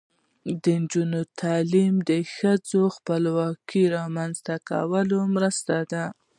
د نجونو تعلیم د ښځو خپلواکۍ رامنځته کولو مرسته ده.